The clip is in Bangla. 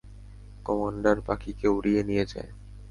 কমান্ডার পাখিকে উড়িয়ে নিয়ে যায়!